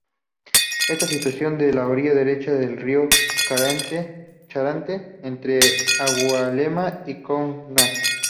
Está situada en la orilla derecha del río Charente, entre Angulema y Cognac.